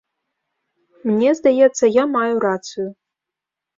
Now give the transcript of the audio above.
Мне здаецца, я маю рацыю.